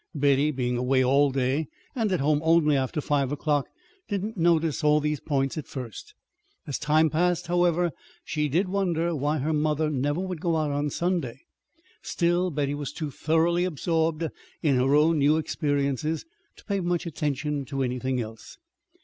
Betty, being away all day, and at home only after five o'clock, did not notice all these points at first. As time passed, however, she did wonder why her mother never would go out on Sunday. Still, Betty was too thoroughly absorbed in her own new experiences to pay much attention to anything else.